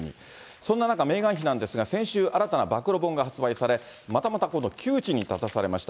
そんな中、メーガン妃なんですが、先週、新たな暴露本が発売され、またまた今度、窮地に立たされました。